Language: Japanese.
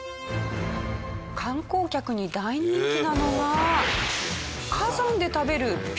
観光客に大人気なのが。